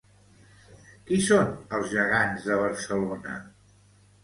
Qui són els gegants de Barcelona?